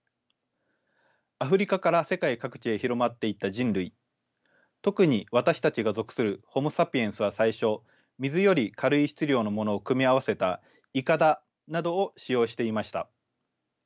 アフリカから世界各地へ広まっていった人類特に私たちが属するホモ・サピエンスは最初水より軽い質量のものを組み合わせたイカダなどを使用していました。